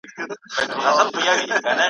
نو خپلو ټولو اندېښنو ته به اور واچوو